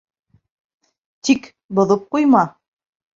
Тик... боҙоп ҡуйма.